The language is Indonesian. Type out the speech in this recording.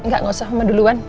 gak gak usah mama duluan